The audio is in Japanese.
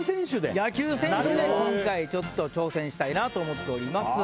野球選手で今回ちょっと挑戦したいなと思っております。